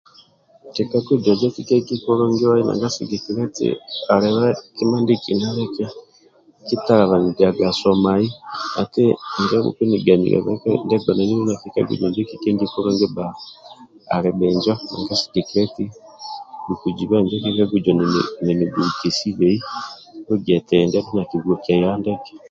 Kikagujo injo kikengi kulungi nanga sigikilia eti kima ndiekina andiki akitelebanijaga somai ati bhukuniganilia kabha ndikitoki sikiaku kikagujo.